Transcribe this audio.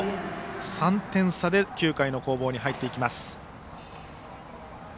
３点差で９回の攻防に入っていきます。